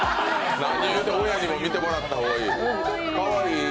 親にも見てもらった方がいい。